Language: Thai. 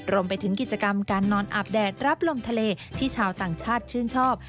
รวมไปถึงกิจกรรมการนอนอาบแดดรับลมทะเลที่ชาวต่างชาติชื่นชอบ